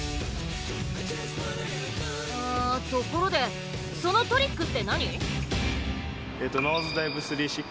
あところでそのトリックって何？